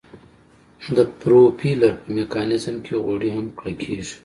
د پروپیلر په میکانیزم کې غوړي هم کلکیږي